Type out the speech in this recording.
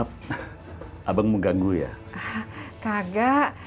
cuman mau meriksa